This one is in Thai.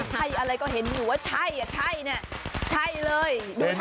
ใครอะไรก็เห็นอยู่ว่าใช่อ่ะใช่เนี่ยใช่เลย